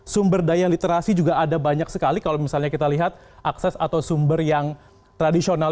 sumber daya literasi juga ada banyak sekali kalau misalnya kita lihat akses atau sumber yang tradisional